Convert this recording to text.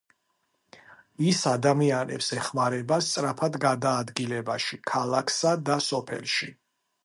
ის ადამიანებს ეხმარება სწრაფად გადაადგილებაში ქალაქსა და სოფელში.